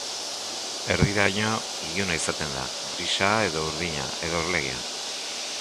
Erdiraino iluna izaten da, grisa, edo urdina, edo orlegia.